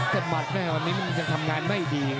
แต่มัดเนี่ยวันนี้มันจะทำงานไม่ดี